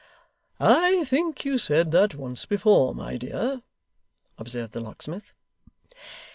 'I think you said that once before, my dear,' observed the locksmith.